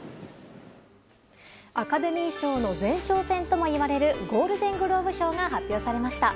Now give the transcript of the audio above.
アカデミー賞の前哨戦ともいわれるゴールデングローブ賞が発表されました。